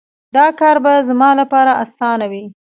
دا کار به زما لپاره اسانه وي